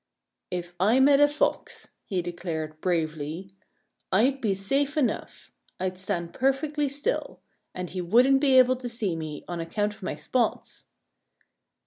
"If I met a Fox," he declared bravely, "I'd be safe enough. I'd stand perfectly still. And he wouldn't be able to see me, on account of my spots."